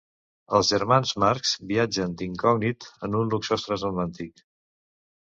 Els germans Marx viatgen d'incògnit en un luxós transatlàntic.